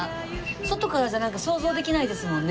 外からじゃなんか想像できないですもんね